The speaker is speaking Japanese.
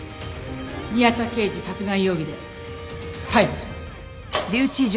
宮田刑事殺害容疑で逮捕します。